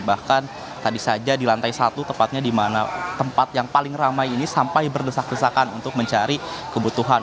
bahkan tadi saja di lantai satu tepatnya di mana tempat yang paling ramai ini sampai berdesak desakan untuk mencari kebutuhan